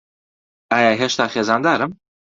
ئایا هێشتا خێزاندارم؟